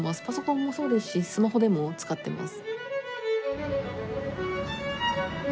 パソコンもそうですしスマホでも使ってます。